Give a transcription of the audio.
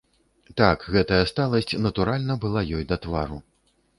Так гэтая сталасць натуральна была ёй да твару.